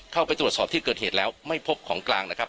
เข้าไปตรวจสอบที่เกิดเหตุแล้วไม่พบของกลางนะครับ